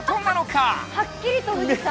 はっきりと富士山